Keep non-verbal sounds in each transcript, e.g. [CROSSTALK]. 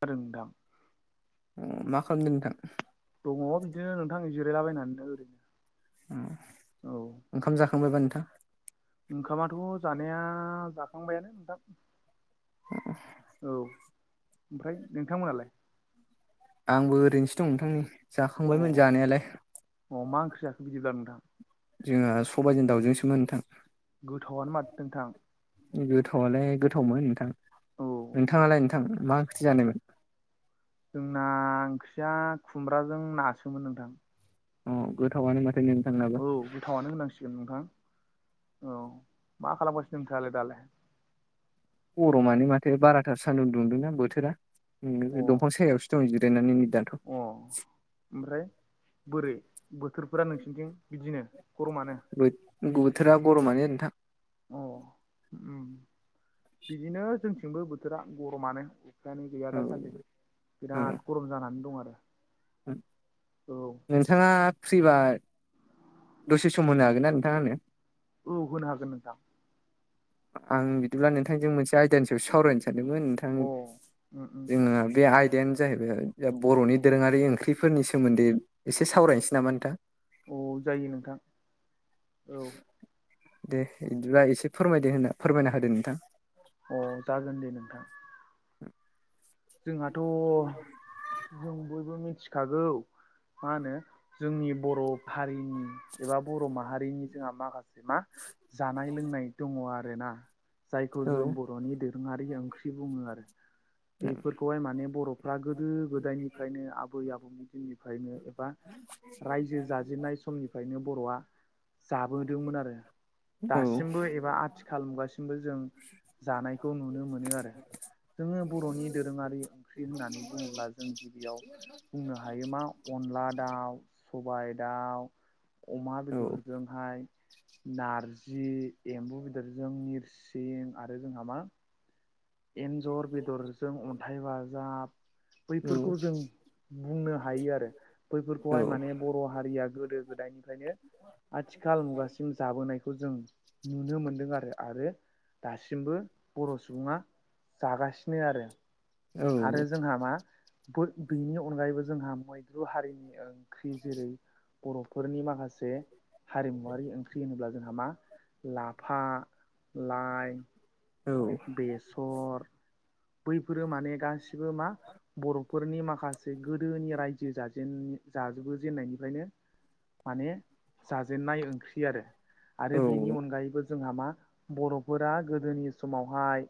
फोरोंदाम [INAUDIBLE] अमा खालामदों नोंथां। दङ बिदिनो नोंथांनि जिरायलाबायनानै नो ओरैनो। औ ओंखाम जाखांबायबा नोंथां। ओंखामाथ' जानाया जाखांबायानो नोंथां। औ ओमफ्राय नोंथांमोनालाय। आंबो ओरैनोसो दं नोंथांनि अ जाखांबायमोन जानायालाय। अ मा ओंख्रि जाखो बिदिब्ला नोंथां। जोंहा सबायाइजों दाउजोंसो नोथां। गोथाव आनो माथो नोंथां। गोथावआलाय गोथावमोन नोंथां औ नोंथाङालाय नोंथां मा ओंख्रि जानायमोन। जोंना ओंख्रिया खुमब्राजों नासोमोन नोंथां। अ गोथावनो माथो नोंथां नाबो। गोथावनो होनांसिगोन नोंथां औ मा खालामगासिनो नोंथाङालाय दालाय। गरमानो माथो बाराथार सान्दुं दुंदोंना बोथोरा अ दंफां सायावसो। जिरायनानै नि दाथ'। अ ओमफ्राय बोरै बोथोरफोरा नोंसिनिथिं बिदिनो गरमानो। बोथोरा गरमानो नोंथां। अ उम बिदिनो जोंथिंबो बोथोरा गरमानो। दानि गैया औ दासान्दि बिराद औ गरम जानानै दं आरो। औ नोंथाङा फ्रिबा। दसे सम होनो हागोन ना नोंथाङा आंनो। औ होनो हागोन नोंथां। आं बिदिब्ला नोंथांजों मोनसे आयदानि सायाव सावरायनो सानदोंमोन नोंथां अ उम उम जोंना बे आइ। आइदायानो जाहैबाय बर'नि दोरोङारि ओंख्रिफोरनि सोमोन्दै एसे सावरायनोसै नामा नोंथां। अ जायो नोंथां। औ दे बिदिबा एसे फोरमायदो होनना फोरमायना होदो नोंथां। अ जागोन दे नोंथां। जोंहाथ' जों बयबो मिथिखागौ मा होनो। जोंनि बर' हारिनि एबा बर' माहारिनि जोंहा माखासे मा जानाय लोंनाय दङ आरोना जायखौ जों बर'नि दोरोङारि ओंख्रि बुङो आरो बेफोरखौहाय माने बर'फ्रा गोदो गोदायनिफ्रायनो आबै आबौनि दिननिफ्रायनो एबा राज्यो जाजेननाय समनिफ्रायनो बर'आ जाबोदोंमोन आरो दासिमबो एबा आथिखाल मुगासिमबो जों जानायखौ नुनो मोनो आरो जोङो बर'नि दोरोङारि ओंख्रि होननानै बुङोब्ला जों गिबियाव बुंनो हायो मा अनला दाउ सबाय दाउ अमा बेदरजों हाय नारजि एम्बु बेदरजों निरसिं आरो जोंहा मा? एन्जर बेदरजों अन्थाइ बाजाब। बैफोरखौ जों बुंनो हायो आरो बैफोरखौहाय माने बर' हारिया गोदो गोदायनिफ्रायनो आथिखाल मुगासिम जाबोनायखौ जों नुनो मोनदों आरो आरो दासिमबो बर' सुबुङा जागासिनो आरो आरो जोंहा मा फोर बेनि अनगायैबो जोंहा मैद्रु हारिनि ओंख्रि जेरै बर'फोरनि माखासे हारिमुवारि ओंख्रि होनोब्ला जोंहा मा? लाफा, लाइ औ बेसर बैफोरो माने गासिबो मा बर'फोरनि माखासे गोदोनि राज्यो जाजेन जाबो जेननायनिफ्रायनो माने जाजेननाय ओंख्रि आरो आरो बेनि अनगायैबो जोंहा मा बर'फोरा गोदोनि समावहाय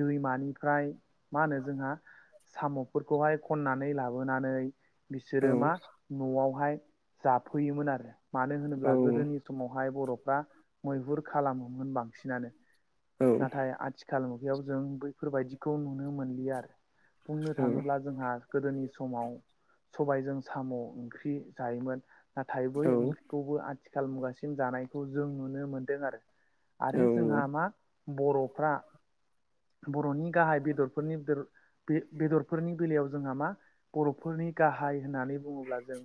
दैमानिफ्राय मा होनो जोंहा साम'फोरखौहाय खननानै लाबोनानै बिसोरो मा? न'आवहाय जाफैयोमोन आरो मानो होनोब्ला गोदोनि समावहाय बर'फ्रा मैहुर खालामोमोन बांसिनानो नाथाय आथि आथिखाल मुगायाव जों बैफोरबायदिखौ नुनो मोनलिया आरो बुंनो थाङोब्ला जोंहा गोदोनि समाव सबायजों साम' ओंख्रि जायोमोन नाथाय बै ओंख्रि खौबो आथिखाल मुगासिम जानायखौ जों नुनो मोनदों आरो आरो जोंहा मा? बर'फ्रा बर'नि गाहाय बेदरफोरनि बेर बे बेदरफोरनि बेलायाव जोंहा मा? बर'फोरनि गाहाय होननानै बुङोब्ला जों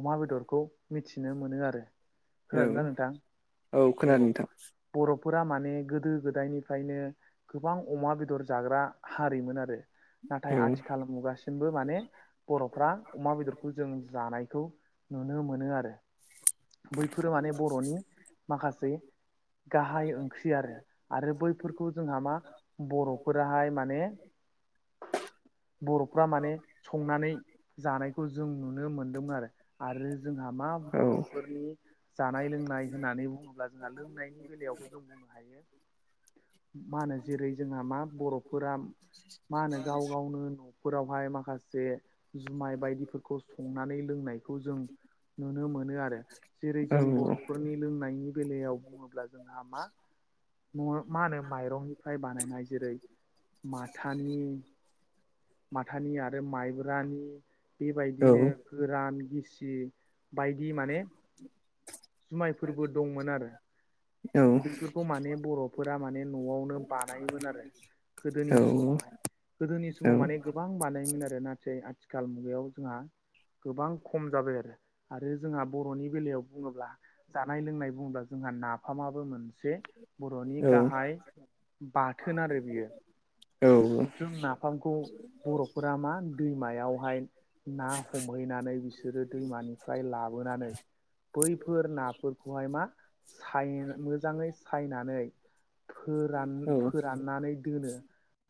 अमा बेदरखौ मिथिनो मोनो आरो खोनादोंना नोंथां? औ खोनादों नोंथां। बर'फोरा माने गोदो गोदायनिफ्रायनो गोबां अमा बेदर जाग्रा हारिमोन आरो औ नाथाय आथिखाल मुगासिमबो माने बर'फ्रा अमा बेदरखौ जों जानायखौ नुनो मोनो आरो बैफोरो माने बर'नि माखासे गाहाय ओंख्रि आरो आरो बैफोरखौ जोंहा मा बर'फोराहाय माने बर'फ्रा माने संनानै जानायखौ जों नुनो मोनदोंमोन आरो आरो जोंहा मा बर'फोरनि जानाय लोंनाय होननानै बुङोब्ला जोंहा लोंनायनि बेलायावबो जों बुंनो हायो। मा होनो जेरै जोंहा मा बर'फोरा मा होनो गाव गावनो न'फोरावहाय माखासे जुमाय बायदिफोरखौ संनानै लोंनायखौ जों नुनो मोनो आरो जेरै औ जों बर'फोरनि लोंनायनि बेलायाव बुङोब्ला जोंहा मा न' मा होनो माइरं फ्राय बानायनाय जेरै माथानि माथानि आरो माइब्रानि औ बेबायदिनो गोरान गिसि बायदि माने [INAUDIBLE] जुमाय फोरबो दंमोन आरो। बेफोरखौ माने बर'फोरा माने न'आवनो बानायोमोन आरो गोदोनि औ समावहाय। गोदोनि समाव माने गोबां बानायोमोन आरो नाथाय आथिखाल मुगायाव जोंहा गोबां खम जाबाय आरो आरो जोंहा बर'नि बेलायाव बुङोब्ला जानाय लोंनाय बब्ला जोंहा नाफामाबो मोनसे बर'नि गाहाय बाथोन आरो बियो जों नाफामखौ बर'फोरा मा दैमायावहाय ना हमहैनानै बिसोरो दैमानिफ्राय लाबोनानै बैफोर नाफोरखौहाय मा साय मोजाङै सायनानै फोरान फोराननानै दोनो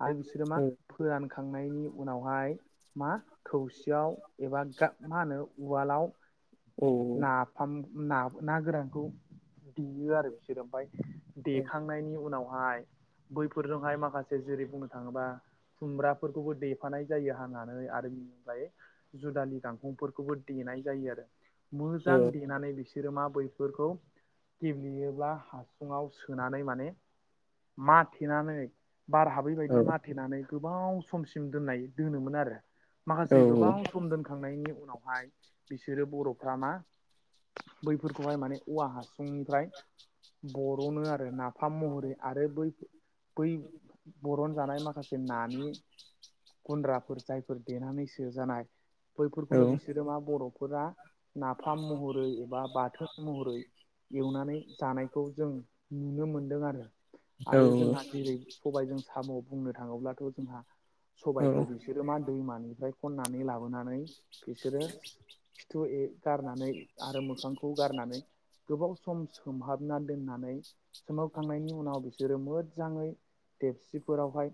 आरो बिसोरो मा फोरानखांनायनि उनावहाय मा थौसियाव एबा मा होनो उवालाव नाफाम ना ना गोरानखौ देयो आरो बिसोरो ओमफ्राय देखांनायनि उनावहाय बैफोरजोंहाय माखासे जेरै बुंनो थाङोबा खुमब्राफोरखौबो देफानाय जायो हानानै आरो बिनिफ्राय जुदालि गांखंफोरखौबो देनाय जायो आरो औ मोजां देनानै बिसोर सोरोमा बैफोरखौ गेब्लेयोब्ला हासुङाव सोनानै माने मा थेनानै बार हाब बैबायदि माथेनानै गोबाव समसिम दोननाय दोनोमोन आरो। माखासे गोबां सम दोनखांनायनि उनावहाय बिसोरो बर' फ्रामा बैफोरखौहाय माने औवा हासुंनिफ्राय बर'नो आरो नाफाम महरै आरो बैफोर बै बर'न जानाय माखासे नानि गुन्द्राफोर जायफोर देनानैसो जानाय औ बैफोरखौनो बिसोरो मा बर'फोरा नाफाम महरै एबा बाथोन महरै एवनानै जानायखौ जों नुनो मोनदों आरो औ आरो औ जोंहा जेरै सबायजों साम' बुंनो थाङोब्लाथ' जोंहा औ सबाइखौ बि बिसोरो मा दैमानिफ्राय खननानै लाबोनानै बिसोरो खिथु ए गारनानै आरो मोखांखौ गारनानै गोबाव सम सोमहाबना दोननानै सोमाबखांनायनि उनाव बिसोरो मोजाङै देबसिफोरावहाय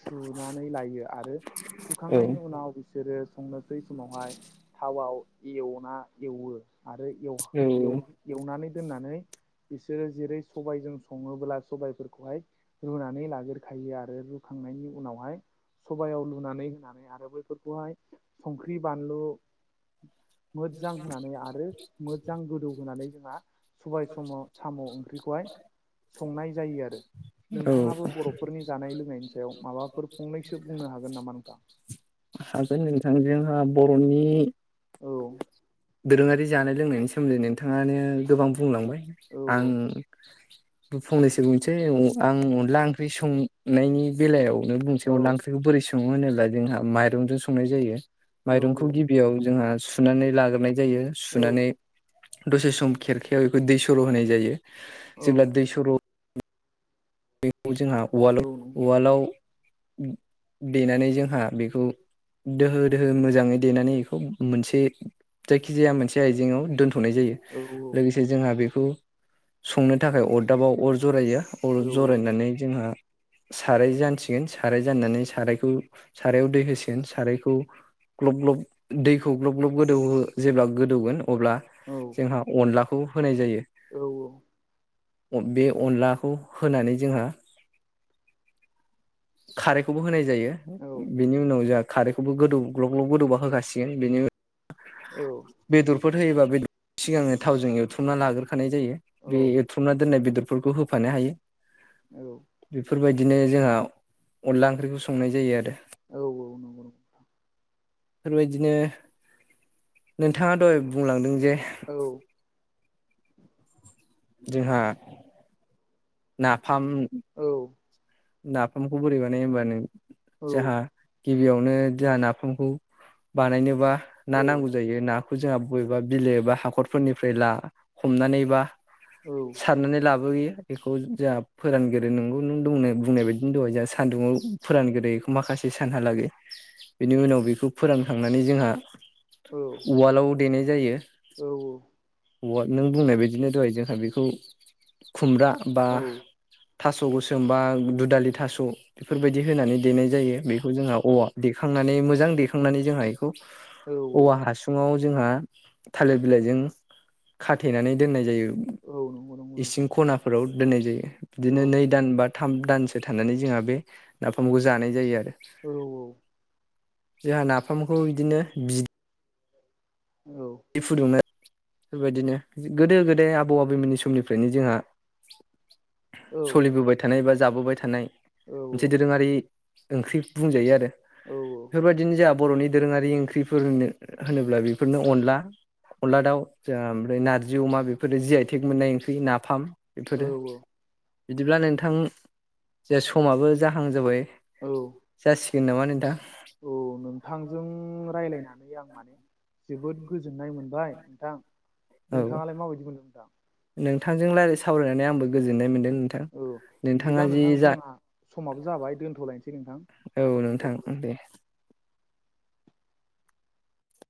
सुनानै लायो आरो औ सुखांनायनि उनाव बिसोरो संनोसै समावहाय थावाव एवना एवो आरो एवनानै दोननानै बिसोरो जेरै सबायजों सङोब्ला सबायफोरखौहाय रुनानै लागोरखायो आरो रुखांनायनि उनावहाय सबायाव लुनानै होनानै आरो बैफोरखौहाय संख्रि बानलु [INAUDIBLE] मोजां होनानै आरो मोजां गोदौ होनानै जोंहा सबाय समाव साम' ओंख्रिखौहाय संनाय जायो आरो औ नोंथाङाबो बर' फोरनि जानाय लोंनायनि सायाव माबाफोर फंनैसो बुंनो हागोन नामा नोंथा? हागोन नोंथां जोंहा बर'नि औ दोरोङारि जानाय लोंनायनि सोमोन्दै नोंथाङानो गोबां बुंलांबाय औ आं फंनैसो बुंनोसै आं अनला ओंख्रि सं संनायनि बेलायावनो बुंनोसै औ अनला ओंख्रिखौ बोरै सङो होनोब्ला जोंहा माइरंजों संनाय जायो औ माइरंखौ गिबियाव जोंहा सुनानै लाग्रोनाय जायो। औ सुनानै दसे सम खेरखायाव बेखौ दै सर' होनाय जायो औ जेब्ला दै सर' बेखौ जोंहा उवाल औ नंगौ उवालाव नंगौ देनानै जोंहा बेखौ दोहो दोहो मोजाङै देनानै बेखौ मोनसे जायखिजाया मोनसे आइजेंआव दोन्थ'नाय जायो औ औ लोगोसे जोंहा बेखौ संनो थाखाय अरदाबाव अर जरायो। अर औ जरायनानै जोंहा साराय जानसिगोन साराय जाननानै सारायखौ सारायाव दै होसिगोन सारायखौ ग्लब ग्लब दैखौ ग्लब ग्लब गोदौहो जेब्ला गोदौगोन अब्ला जोंहा अनलाखौ होनाय जायो। औ औ बे अनलाखौ होनानै जोंहा खारैखौबो होनाय जायो औ बेनि उनाव जोंहा खारैखौबो गोदौ ग्लब ग्लब गोदौबा होखाासिगोन बेनि उनाव औ औ बेदरफोर होयोबा बेर सिगांनो थावजों एवथ्रुमना लाग्रो होखानाय जायो बे औ एरथुमना दोननाय बेदरफोरखौ होफानो हायो औ बेफोरबायदिनो जोंहा अनला ओंख्रिखौ संनाय जायो आरो औ औ नंगौ नंगौ बेफोरबायदिनो नोंथाङा दह बुंलांदों जे औ जोंहा नाफाम औ नाफामखौ बोरै बानाय होमबानो औ जों गिबियावनो जोंहा नाफामखौ बानायनोबा ना औ नांगौ जायो ना जोंहा बबेबा बिलो ए बा हाखरफोरनिफ्राय हमनानैबा औ साननानै लाबोयो बेखौ जोंहा फोरानग्रो नोंगौ नों दंनो बुंनाय बायदिनो दं जोंहा सान्दुङाव फोरान गोदायखौ माखासे सानहालागै बिनि उनाव बेखौ फोरानखांनानै जोंहा औ उवालाव देनाय जायो औवा नों बुंनाय बायदिनो दहाय जोंहा बेखौ खुमब्रा बा औ थास' गोसोमबा दुदालि थास' बेफोरबायदि होनानै देनाय जायो बेखौ जोंहा औवा देखांनानै मोजां देखांनानै जोंहा बेखौ औ औवा हासुङाव जोंहा थालिर बिलाइजों खाथेनानै दोननाय जायो औ नंगौ नंगौ इसिं नोंथां खनाफोराव दोननाय जायो औ बिदिनो नै दान बा थाम दानस गो थानानै जोंहा बे नाफामखौ जानाय जायो आरो रौ जोंहा नाफामखौ बिदिनो बि औ फुदुंनाय बेबायदिनो गोदो गोदाय आबौ आबैमोननि समनिफ्रायनो जोंहा सोलिबोबाय थानाय बा जाबोबाय थानाय मोनसे दोरोङारि ओंख्रि बुंजायो आरो औ बेफोरबायदि बिदिनो जोंहा बर'नि दोरोङारि ओंख्रिफोरो होनोब्ला बेफोरनो अनला अनदला दाउ ओमफ्राय नारजि अमा बेफोरो जि आइथेग मोननाय ओंख्रि नाफाम औ बेफोरो बिदिब्ला नोंथां जे समाबो जाहां जाबाय औ जासिगोन नामा नोंथां औ नोंथांजों रायज्लायनानै आं माने जोबोद गोजोननाय मोनबाय नोंथां औ नोंथाङालाय माबायदि मोनदों नोंथां नोंथांजों रायज्लाय सावरायनानै आंबो गोजोननाय मोनदों नोंथां औ बिदिब्ला नोंथाङा जि नोंथां जा जोंहा समाबो जाबाय दोनथ'लायनोसै नोंथां औ नोंथां दे